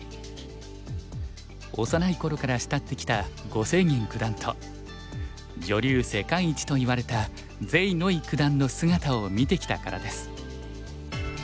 幼い頃から慕ってきた呉清源九段と女流世界一といわれた廼偉九段の姿を見てきたからです。